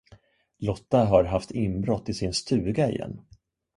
Lotta har haft inbrott i sin stuga igen.